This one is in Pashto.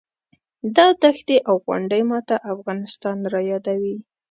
دا دښتې او غونډۍ ماته افغانستان رایادوي.